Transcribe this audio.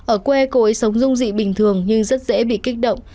ở quê cô ấy sống rung dị bình thường nhưng rất dễ bị kích động